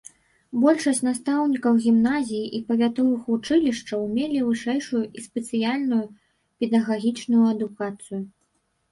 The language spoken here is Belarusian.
Большасць настаўнікаў гімназій і павятовых вучылішчаў мелі вышэйшую і спецыяльную педагагічную адукацыю.